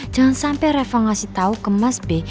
jangan sampe reva ngasih tau ke mas b